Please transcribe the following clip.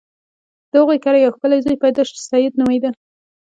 د هغوی کره یو ښکلی زوی پیدا شو چې سید نومیده.